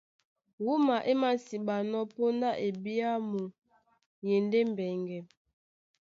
Wúma é māsiɓanɔ́ póndá ebyàmu e e ndé mbɛŋgɛ.